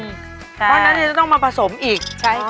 เพราะฉะนั้นจะต้องมาผสมอีก